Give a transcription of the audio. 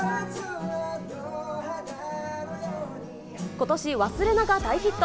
ことし、わすれなが大ヒット。